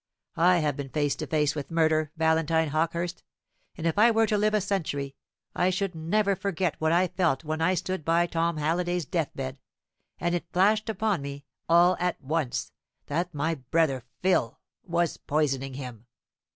I have been face to face with murder, Valentine Hawkehurst; and if I were to live a century, I should never forget what I felt when I stood by Tom Halliday's deathbed, and it flashed upon me, all at once, that my brother Phil was poisoning him."